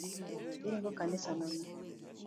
Iringo kanisa nang'o?